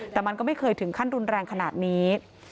แต่มันก็ไม่เคยถึงขั้นรุนแรงขนาดนี้